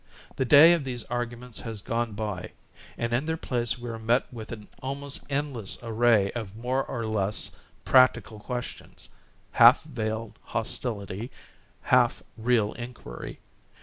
The day of these arguments has gone by, and in their place we are met with an almost endless array of more or less practical questions, half veiled hostility, half real inquiry.